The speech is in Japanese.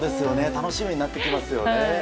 楽しみになってきますよね。